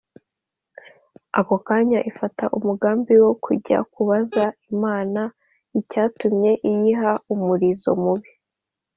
ako kanya ifata umugambi wo kuzajya kubaza imana icyatumye iyiha umulizo mubi